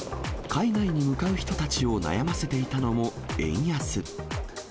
海外に向かう人たちを悩ませていたのも円安。